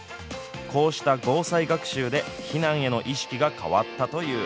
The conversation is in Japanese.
こうした防災学習で、避難への意識が変わったという。